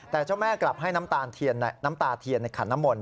แต่เจ้าแม่กลับให้น้ำตาเทียนน้ำตาเทียนในขัดน้ำมน